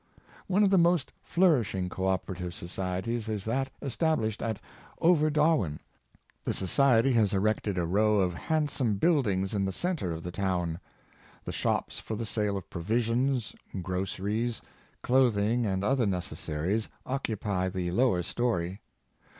One of the most flourishing co operative societies is that established at Over Darwen. The society has erected a row of handsome buildings in the centre of the town. The shops for the sale of provisions, groce ries, clothing, and other necessaries occup}^ the lower story.